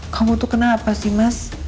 kamu tuh kenapa sih mas